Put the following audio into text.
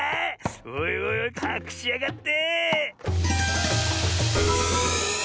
おいおいおいかくしやがって。